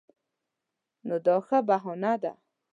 نو دا ښه بهانه ده.